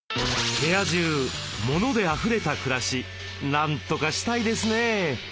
部屋中モノであふれた暮らしなんとかしたいですね。